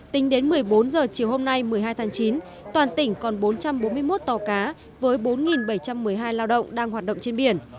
tính đến một mươi bốn h chiều hôm nay một mươi hai tháng chín toàn tỉnh còn bốn trăm bốn mươi một tàu cá với bốn bảy trăm một mươi hai lao động đang hoạt động trên biển